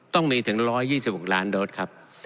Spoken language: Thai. ต้องมีถึง๑๒๖ล้านโดสครับ